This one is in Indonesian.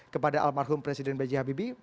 kepada almarhum presiden bg habibie